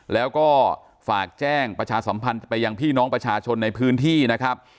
แล้วก็ฝากแจ้งประชาสัมพันธ์ไปยังพี่น้องประชาชนในพื้นที่นะครับ